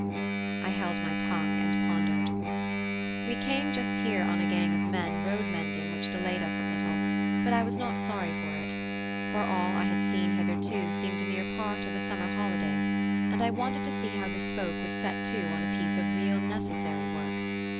I held my tongue and pondered. We came just here on a gang of men road mending which delayed us a little; but I was not sorry for it; for all I had seen hitherto seemed a mere part of a summer holiday; and I wanted to see how this folk would set to on a piece of real necessary work.